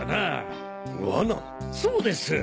そうです。